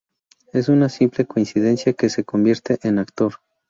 Es una simple coincidencia que se convirtiese en actor.